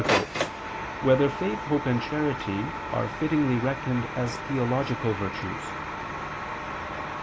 3] Whether Faith, Hope, and Charity Are Fittingly Reckoned As Theological Virtues?